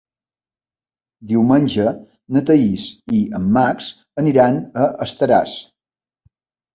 Diumenge na Thaís i en Max aniran a Estaràs.